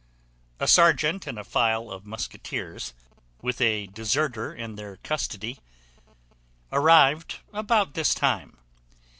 A serjeant and a file of musqueteers, with a deserter in their custody, arrived about this time.